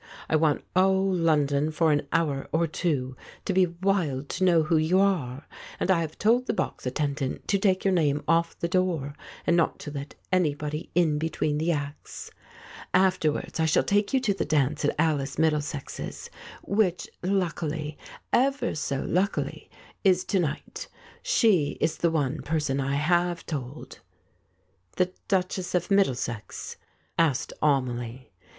I want all London for an hour or two to be wild to know who you are, and I have told the box attendant to take your name off the door, and not to let anybody in between the acts. Afterwards I shall take you to the dance at Alice Middlesex's, which, luckily, ever so luckily, is to night. She is the one person I have told." "The Duchess of Middlesex?" asked Amelie.